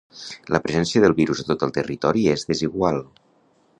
La presència del virus a tot el territori és desigual.